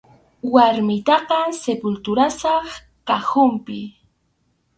Warmiytaqa sepulturasaq cajonpi.